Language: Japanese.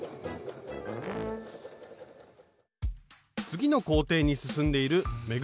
次の工程に進んでいる運